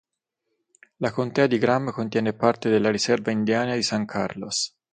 La contea di Graham contiene parte della riserva indiana di San Carlos.